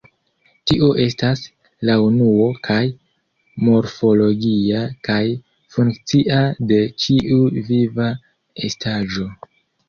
Tio estas, la unuo kaj morfologia kaj funkcia de ĉiu viva estaĵo.